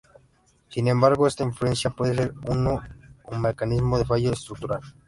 Sin embargo esta fluencia puede ser o no un mecanismo de fallo estructural.